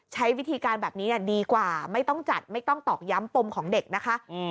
ใช้วิธีการแบบนี้ดีกว่าไม่ต้องจัดไม่ต้องตอกย้ำปมของเด็กนะคะ